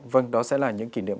vâng đó sẽ là những kỷ niệm